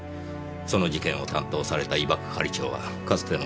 その事件を担当された伊庭係長はかつての上司に当たります。